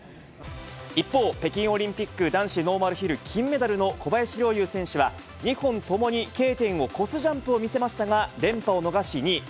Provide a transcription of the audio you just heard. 一方、北京オリンピック男子ノーマルヒル金メダルの小林陵侑選手は、２本ともにＫ点を越すジャンプを見せましたが、連覇を逃し２位。